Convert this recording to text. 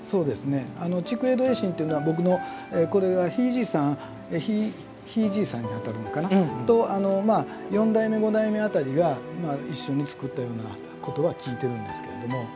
竹影堂栄真というのは僕のこれはひいじいさんひいじいさんにあたるのかな？と四代目五代目辺りが一緒に作ったようなことは聞いてるんですけれども。